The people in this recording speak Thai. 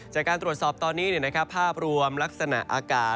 จากการตรวจสอบตอนนี้ภาพรวมลักษณะอากาศ